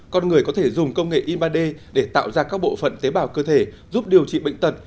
con người có thể dùng công nghệ in ba d để tạo ra các bộ phận tế bào cơ thể giúp điều trị bệnh tật